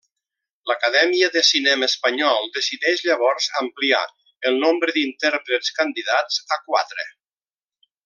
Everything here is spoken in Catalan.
L'Acadèmia de Cinema Espanyol decideix llavors ampliar el nombre d'intèrprets candidats a quatre.